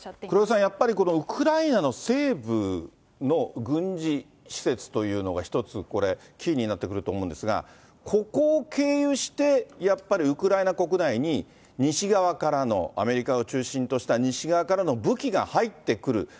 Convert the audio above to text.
黒井さん、やっぱりこのウクライナの西部の軍事施設というのが一つ、これキーになってくると思うんですが、ここを経由して、やっぱりウクライナ国内に、西側からのアメリカを中心とした西側からの武器が入ってくる。